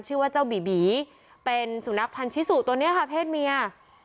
ชื่อว่าเจ้าบีบีเป็นสุนัขพันธิสุตัวนี้ค่ะเพศเมีย